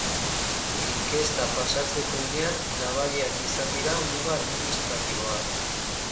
Inkesta pasatzeko unean, nabariak izan dira muga administratiboak.